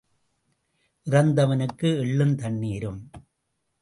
இறந்தவனுக்கு எள்ளும் தண்ணீரும்.